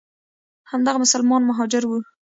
همدغه مسلمان مهاجر وو.